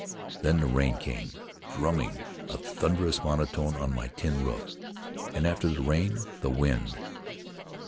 Then the rain came — drumming a thunderous monotone on my tin roof — and after the rain the wind.